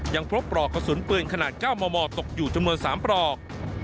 พบปลอกกระสุนปืนขนาด๙มมตกอยู่จำนวน๓ปลอก